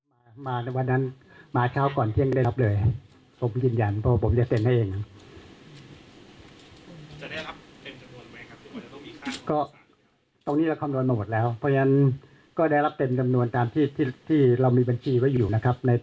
คือทางครอบครัวของผู้เสียชีวิตและได้รับบัตรเจ็บจากเหตุการณ์นี้